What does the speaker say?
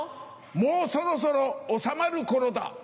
もうそろそろ収まるころだ。